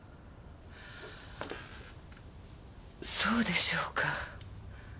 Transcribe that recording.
そうでしょうか。